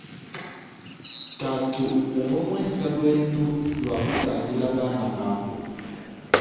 Tatu uvwa mwenza lwendu lwa kutangila bana babo.